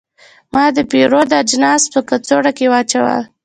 ما د پیرود اجناس په کڅوړه کې واچول.